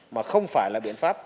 mà không phải là biện pháp